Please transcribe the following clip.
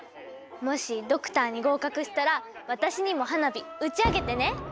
もしドクターに合格したら私にも花火打ち上げてね。